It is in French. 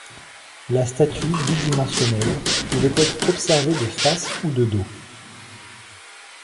La statue, bidimensionnelle, pouvait être observée de face ou de dos.